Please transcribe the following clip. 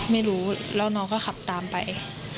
ไม่รู้แล้วน้องก็ขับตามไป